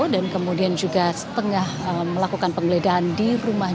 dan kemudian juga setengah melakukan penggeledahan di rumahnya